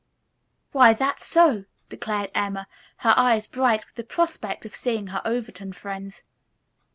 "Why, that's so," declared Emma, her eyes bright with the prospect of seeing her Overton friends.